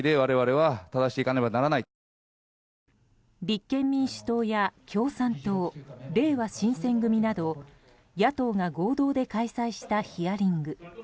立憲民主党や共産党れいわ新選組など野党が合同で開催したヒアリング。